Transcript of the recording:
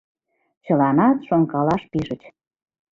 Чыланат шонкалаш пижыч.